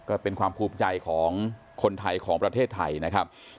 ก็เป็นความภูมิใจของคนไทยของประเทศไทยนะครับ